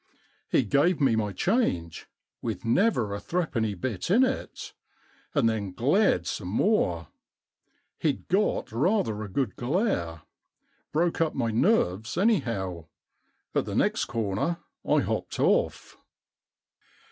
He gave me my change — with never a three penny bit in it — and then glared some more. He'd got rather a good glare. Broke up my nerves, anyhow. At the next corner I hopped off.